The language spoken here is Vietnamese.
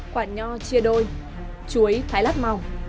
quả nho chia đôi chuối thái lát màu